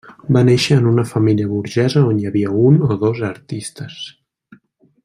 Va néixer en una família burgesa on hi havia un o dos artistes.